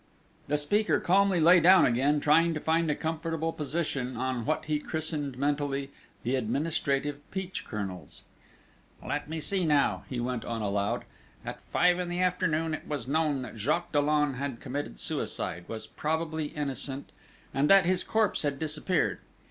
The speaker calmly lay down again, trying to find a comfortable position on what he christened mentally: "The administrative peach kernels": "Let me see, now!" he went on aloud. "At five in the afternoon it was known that Jacques Dollon had committed suicide; was probably innocent, and that his corpse had disappeared.